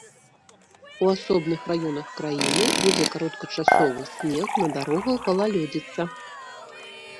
У асобных раёнах краіны будзе кароткачасовы снег, на дарогах галалёдзіца.